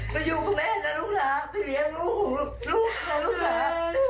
ไปอยู่กับแม่นะลูกหลานไปเลี้ยงลูกลูกและลูกหลาน